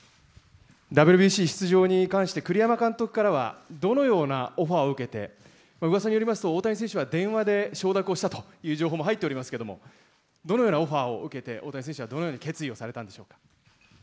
ＷＢＣ出場に関して、栗山監督からは、どのようなオファーを受けて、うわさによりますと、電話で承諾をしたという情報も入っておりますけれども、どのようなオファーを受けて、大谷選手はどのように決意をされたんでしょうか。